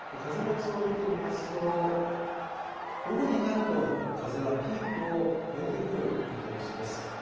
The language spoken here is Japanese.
風の予想を見てみますと午後になると風はピークを越えてくる見通しです。